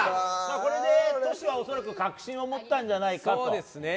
これでトシは恐らく確信を持ったんじゃないかと。